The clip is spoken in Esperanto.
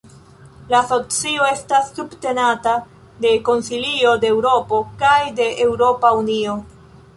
La asocio estas subtenata de Konsilio de Eŭropo kaj de Eŭropa Unio.